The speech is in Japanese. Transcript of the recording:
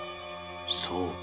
そうか。